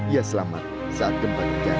ia selamat saat kembali ke jalan